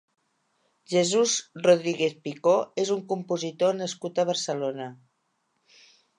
Jesús Rodríguez Picó és un compositor nascut a Barcelona.